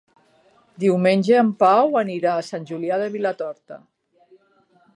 Diumenge en Pau anirà a Sant Julià de Vilatorta.